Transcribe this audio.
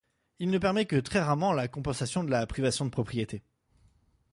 Il ne permet que très rarement la compensation de la privation de propriété.